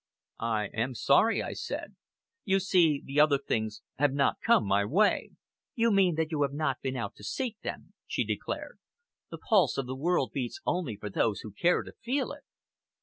"I am sorry," I said. "You see the other things have not come my way!" "You mean that you have not been out to seek them," she declared. "The pulse of the world beats only for those who care to feel it."